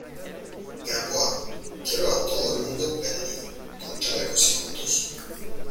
Gamboa, quiero a todo el mundo prevenido , con chalecos y juntos.